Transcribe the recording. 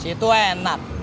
si itu enak